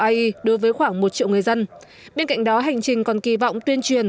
ai đối với khoảng một triệu người dân bên cạnh đó hành trình còn kỳ vọng tuyên truyền